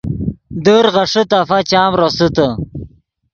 در غیݰے تفا چام روسیتے